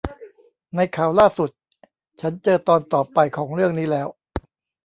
ในข่าวล่าสุด ฉันเจอตอนต่อไปของเรื่องนี้แล้ว